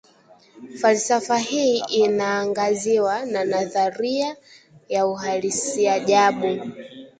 Falsafa hii inaangaziwa na nadharia ya uhalisiajabu